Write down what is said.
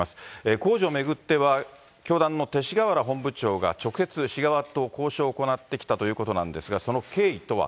工事を巡っては、教団の勅使河原本部長が直接、市側と交渉を行ってきたということなんですが、その経緯とは。